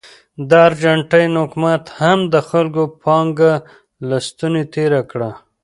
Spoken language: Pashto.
د ارجنټاین حکومت هم د خلکو پانګه له ستونې تېره کړه.